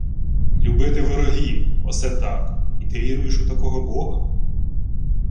— Любити ворогів! Осе так! І ти віруєш у такого бога?